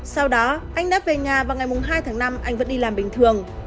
sau đó anh đã về nhà vào ngày hai tháng năm anh vẫn đi làm bình thường